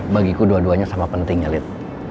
bagi ku dua duanya sama pentingnya lit